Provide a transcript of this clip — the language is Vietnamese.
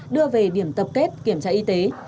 đưa về điểm tập kết kiểm tra y tế